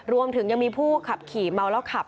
รวมถึงยังมีผู้ขับขี่เมาแล้วขับ